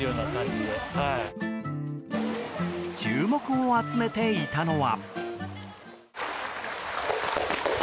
注目を集めていたのは。